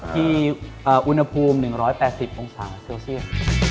ที่อุณหภูมิ๑๘๐องศาเซลเซียส